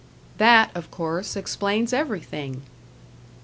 That, of course, explains everything.